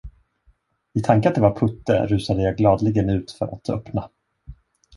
I tanke att det var Putte, rusade jag gladeligen ut för att öppna.